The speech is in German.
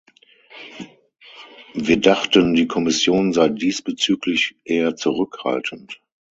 Wir dachten, die Kommission sei diesbezüglich eher zurückhaltend.